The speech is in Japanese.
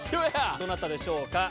どなたでしょうか。